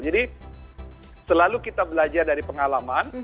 jadi selalu kita belajar dari pengalaman